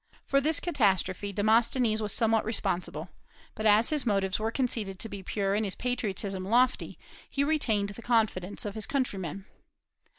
For this catastrophe Demosthenes was somewhat responsible, but as his motives were conceded to be pure and his patriotism lofty, he retained the confidence of his countrymen.